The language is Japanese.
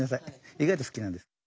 意外と好きなんです。